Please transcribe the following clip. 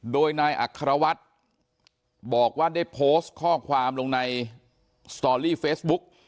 โดยนายอัครวัฒน์บอกว่าได้โพสต์ข้อความลงในสตอรี่เฟซบุ๊ก